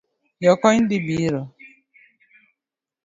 Jokony dhi biro